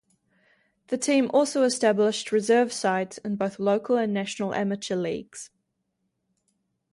The team also established reserve sides in both local and national amateur leagues.